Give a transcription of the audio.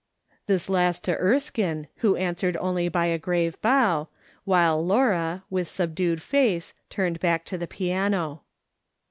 This last to Erskine, who answered only by a grave bow, while Laura, with subdued face, turned back to the piano.